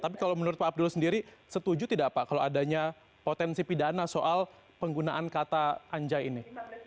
tapi kalau menurut pak abdul sendiri setuju tidak pak kalau adanya potensi pidana soal penggunaan kata anjai ini